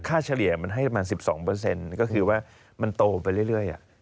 เฉลี่ยมันให้ประมาณ๑๒ก็คือว่ามันโตไปเรื่อย